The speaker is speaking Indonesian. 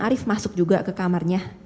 arief masuk juga ke kamarnya